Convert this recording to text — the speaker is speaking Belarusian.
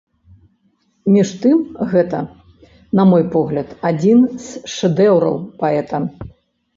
Між тым, гэта, на мой погляд, адзін з шэдэўраў паэта.